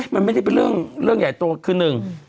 มันไม่ได้เป็นเรื่องใหญ่โตคือหนึ่ง